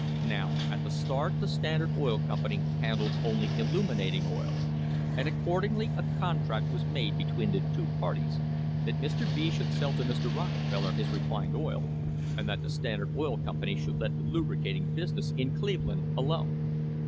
Now at the start the Standard Oil Company handled only illuminating oil, and accordingly a contract was made between the two parties that Mr. B should sell to Mr. Rockefeller his refined oil, and that the Standard Oil Company should let the lubricating business in Cleveland alone.